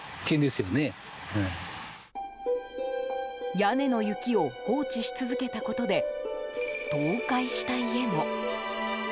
屋根の雪を放置し続けたことで倒壊した家も。